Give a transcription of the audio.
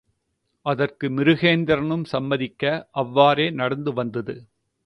அதற்கு மிருகேந்திரனும் சம்மதிக்க, அவ்வாறே நடந்து வந்தது.